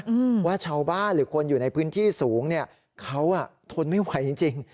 อืมว่าชาวบ้านหรือคนอยู่ในพื้นที่สูงเนี้ยเขาอ่ะทนไม่ไหวจริงจริง